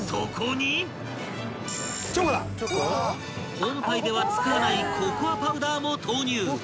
［ホームパイでは使わないココアパウダーも投入］